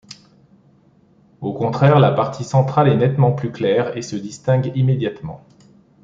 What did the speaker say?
Au contraire la partie centrale est nettement plus claire et se distingue immédiatement.